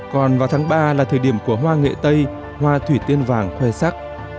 còn vào tháng ba là thời điểm của hoa nghệ tây hoa thủy tiên vàng khoe sắc